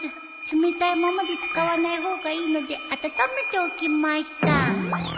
冷たいままで使わない方がいいので温めておきました